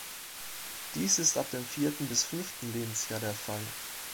Dies ist ab dem vierten bis fünften Lebensjahr der Fall.